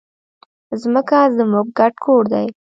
ځمکه زموږ ګډ کور دی.